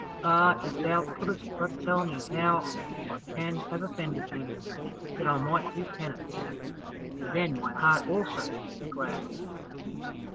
Ah, if thou couldst but tell me how I can have offended him, that I might do penance, and then my heart also would be glad again."